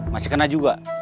masih kena juga